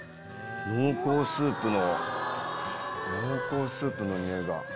濃厚スープの濃厚スープの匂いが。